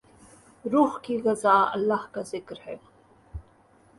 روح کی غذا اللہ کا ذکر ہے